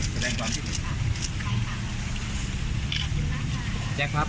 ผมไม่แสดงความผิดหรอกครับ